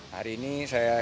hari ini saya berhenti